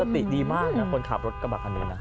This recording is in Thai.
คือสติดีมากนะคนขับรถกระบะคันหนึ่ง